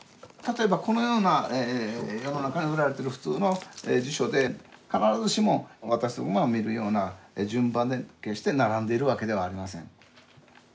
例えばこのような世の中に売られている普通の辞書で必ずしも私どもが見るような順番で決して並んでいるわけではありません。